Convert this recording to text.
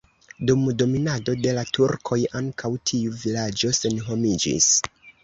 Dum dominado de la turkoj ankaŭ tiu vilaĝo senhomiĝis.